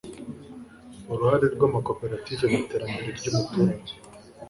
iuruhare rw'amakoperative mu iterambere ry'umuturage